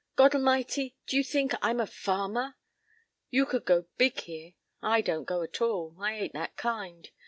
God'l'mighty, d'you think I'm a farmer? You could go big here; I don't go at all. I ain't that kind.